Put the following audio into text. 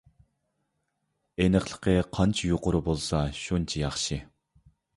ئېنىقلىقى قانچە يۇقىرى بولسا شۇنچە ياخشى.